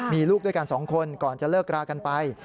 มีลูกด้วยกัน๒คนก่อนจะเลิกรากันไป